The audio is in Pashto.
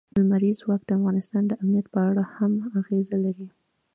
لمریز ځواک د افغانستان د امنیت په اړه هم اغېز لري.